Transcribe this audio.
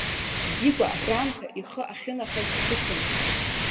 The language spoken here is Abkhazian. Дигәа акраамҭа ихы ахьынахаз ддәықәын.